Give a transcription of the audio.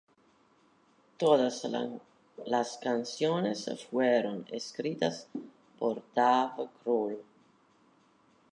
Todas las canciones fueron escritas por Dave Grohl